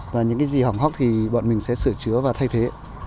và những cái gì hỏng hóc thì bọn mình sẽ sửa chứa và thay thế